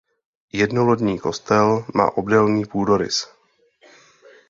Jednolodní kostel má obdélný půdorys.